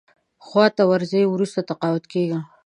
خو اته ورځې وروسته تقاعد کېږم.